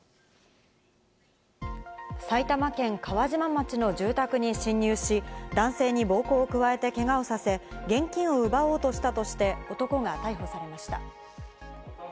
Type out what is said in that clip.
埼玉県川島町の住宅に侵入し、男性に暴行を加えてけがをさせ、現金を奪おうとしたとして男が逮捕されました。